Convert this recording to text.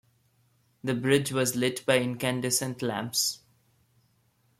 The bridge was lit by incandescent lamps.